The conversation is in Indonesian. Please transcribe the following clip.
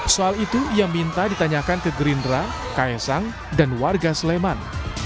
soal itu ia minta ditanyakan ke gerindra kaesang dan warga sleman